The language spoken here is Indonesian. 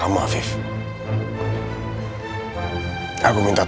mengatakan bahwa ia belum pencabar